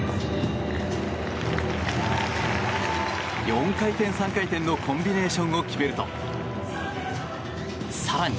４回転、３回転のコンビネーションを決めると更に。